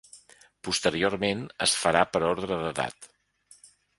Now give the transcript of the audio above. Posteriorment, es farà per ordre d’edat.